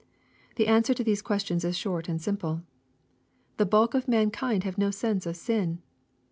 The answer to these questions is short and simple. The bulk of mankind have no sense of sin.